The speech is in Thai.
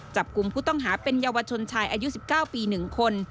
จับกลุ่มผู้ต้องหาเป็นเยาวชนชายอายุ๑๙ปี๑คน